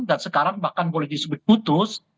dan sekarang bahkan boleh disebut putus